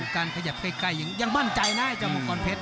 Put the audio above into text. การขยับใกล้ยังมั่นใจนะเจ้ามังกรเพชร